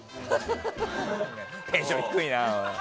テンション低いな。